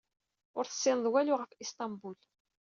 Ur tessineḍ walu ɣef Isṭanbul.